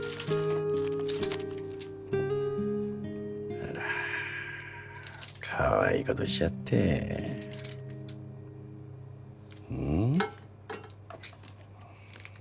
あらかわいいことしちゃってうん？